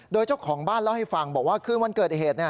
โดยเจ้าของบ้านเล่าให้ฟังบอกว่าคืนวันเกิดเหตุ